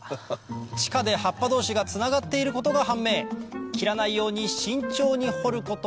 地下で葉っぱ同士がつながっていることが判明切らないように慎重に掘ること